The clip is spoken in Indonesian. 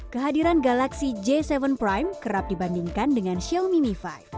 kehadiran galaxy j tujuh prime kerap dibandingkan dengan xiaomi lima